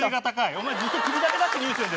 お前ずっと首だけ出してニュース読んでたの？